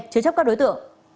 chứa chấp các đối tượng